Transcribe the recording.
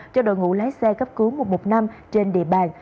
cho đội ngũ lái xe cấp cứu một trăm một mươi năm trên địa bàn